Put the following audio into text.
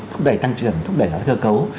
thúc đẩy tăng trưởng thúc đẩy các cơ cấu